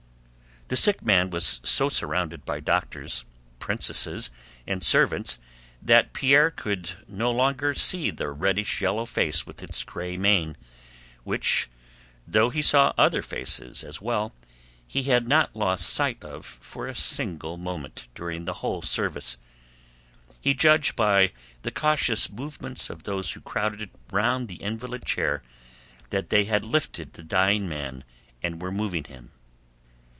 The sick man was so surrounded by doctors, princesses, and servants that Pierre could no longer see the reddish yellow face with its gray mane—which, though he saw other faces as well, he had not lost sight of for a single moment during the whole service. He judged by the cautious movements of those who crowded round the invalid chair that they had lifted the dying man and were moving him.